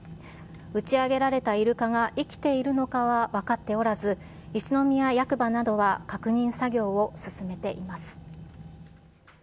打ち上げられたイルカが生きているのかは分かっておらず、一宮役場などは確認作業を進めています。